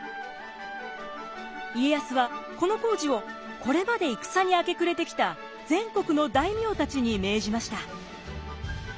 家康はこの工事をこれまで戦に明け暮れてきた全国の大名たちに命じました。